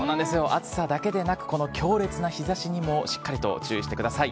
暑さだけではなく、この強烈な日ざしにもしっかりと注意してください。